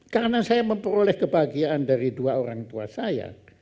karena saya memperoleh kebahagiaan dari dua orang tua saya